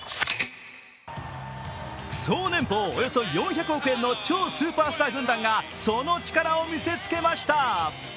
総年俸およそ４００億円の超スーパースター軍団がその力を見せつけました。